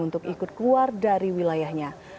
untuk ikut keluar dari wilayahnya